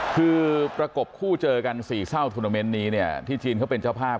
คือประกบคู่เจอกันสี่เศร้าทุนาเมนต์นี้เนี่ยที่จีนเขาเป็นเจ้าภาพ